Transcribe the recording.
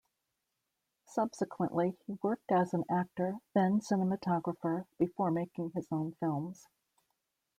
Subsequently he worked as an actor, then cinematographer, before making his own films.